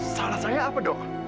salah saya apa dok